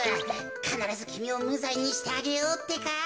かならずきみをむざいにしてあげようってか。